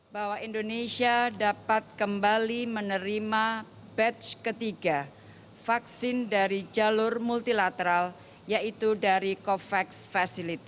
bahwa indonesia dapat kembali menerima batch ketiga vaksin dari jadinya